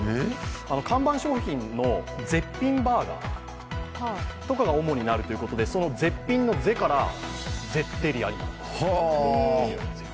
看板商品の絶品バーガーとかが主になるということでその絶品の「ぜ」からゼッテリアになったんですって。